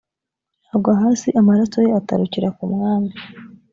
agwa hasi amaraso ye atarukira ku mwami